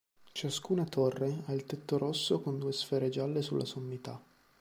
Ciascuna torre ha il tetto rosso con due sfere gialle sulla sommità.